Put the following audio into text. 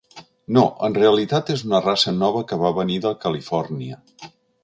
No, en realitat és una raça nova que va venir de Califòrnia.